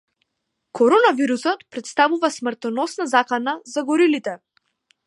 Коронавирусот претставува смртоносна закана за горилите